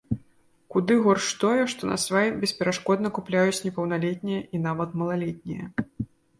Куды горш тое, што насвай бесперашкодна купляюць непаўналетнія і нават малалетнія.